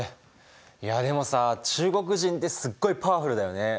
いやでもさ中国人ってすっごいパワフルだよね！